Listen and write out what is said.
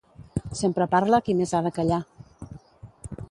Sempre parla qui més ha de callar.